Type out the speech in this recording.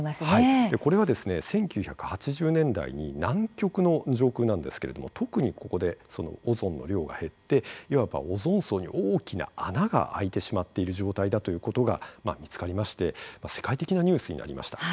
これはですね１９８０年代に南極の上空なんですけれども特にここでオゾンの量が減っていわばオゾン層に大きな穴が開いてしまっている状態だということが見つかりまして世界的なニュースになりました。